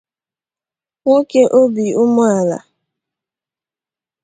nwoke obi umeala